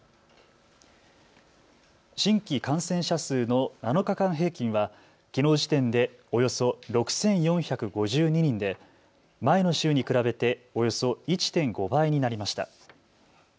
新規感染者数の７日間平均はきのう時点でおよそ６４５２人で前の週に比べておよそ１．５倍になりました。